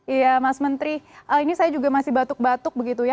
iya mas menteri ini saya juga masih batuk batuk begitu ya